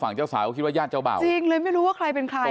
เจ้าสาวก็คิดว่าญาติเจ้าบ่าวจริงเลยไม่รู้ว่าใครเป็นใคร